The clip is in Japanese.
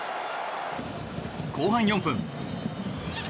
後半４分。